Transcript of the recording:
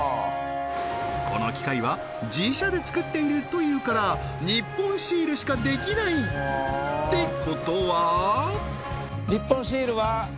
この機械は自社でつくっているというから日本シールしかできない！ってことはえ